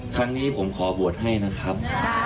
ครั้งนี้ผมขอบวชให้นะครับ